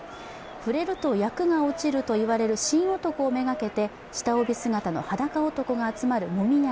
触れると厄が落ちると言われる神男を目がけて下帯姿のはだか男が集まるもみ合い。